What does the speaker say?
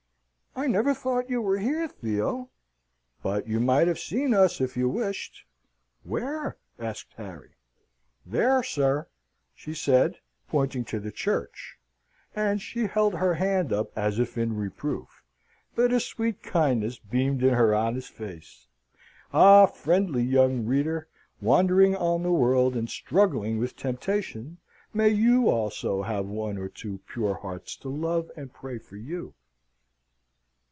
"I never thought you were here, Theo." "But you might have seen us if you wished." "Where?" asked Harry. "There, sir," she said, pointing to the church. And she held her hand up as if in reproof; but a sweet kindness beamed in her honest face. Ah, friendly young reader, wandering on the world and struggling with temptation, may you also have one or two pure hearts to love and pray for you!